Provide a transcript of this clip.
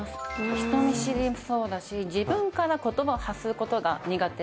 人見知りもそうだし自分から言葉を発する事が苦手。